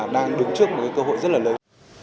đang đứng trước một cái cơ hội rất là lớn